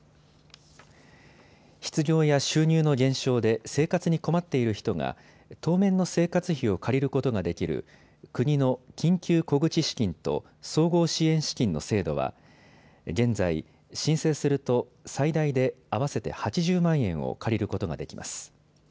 失業や収入の減少で生活に困っている人が当面の生活費を借りることができる国の緊急小口資金と総合支援資金の制度は現在、申請すると最大で合わせて８０万円を借りることができます。